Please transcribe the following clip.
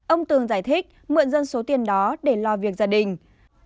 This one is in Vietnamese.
ông tường giải thích mượn dân số tiền đó để lo việc gia đình